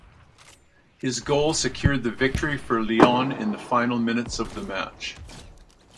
His goal secured the victory for Lyon in the final minutes of the match.